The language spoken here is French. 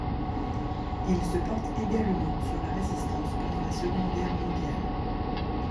Il se porte également sur la résistance pendant la seconde guerre mondiale.